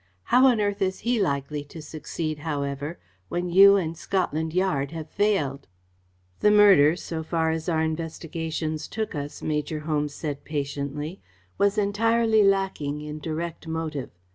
How on earth is he likely to succeed, however, when you and Scotland Yard have failed?" "The murder, so far as our investigations took us," Major Holmes said patiently, "was entirely lacking in direct motive.